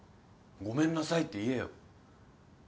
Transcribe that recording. ごめんなさいって言えよ。